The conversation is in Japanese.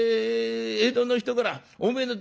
江戸の人からおめえの大好物だ。